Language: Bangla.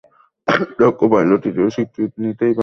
দক্ষ পাইলট হিসেবে স্বীকৃতি নিতেই পারি।